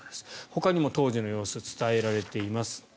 ほかにも当時の様子伝えられています。